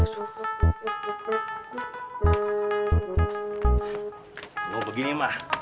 kalau begini mah